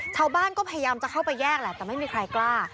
ชาวบ้านก็พยายามจะเข้าไปแยกแหละแต่ไม่มีใครกล้า